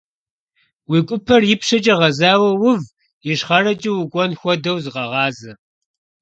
Уи гупэр ипщэкӀэ гъэзауэ ув, ищхъэрэкӀэ укӀуэн хуэдэу зыкъэгъазэ.